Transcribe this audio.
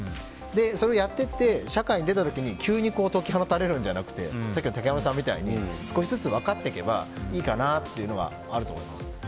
それをやっていって社会に出た時に急に解き放たれるのではなくてさっきの竹山さんみたいに少しずつ分かっていけばいいかなというのはあると思います。